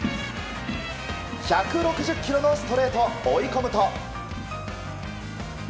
１６０キロのストレートで追い込むと。